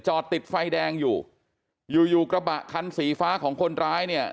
ติดไฟแดงอยู่อยู่กระบะคันสีฟ้าของคนร้ายเนี่ย